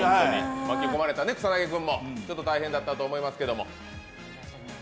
巻き込まれたね、草薙君も大変だったと思いますけど。